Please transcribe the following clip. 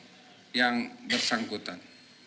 dan dianggap sebagai lokasi yang bersangkutan